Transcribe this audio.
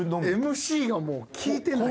ＭＣがもう聞いてない。